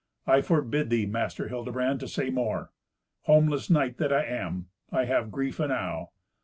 I forbid thee, Master Hildebrand, to say more. Homeless knight that I am, I have grief enow.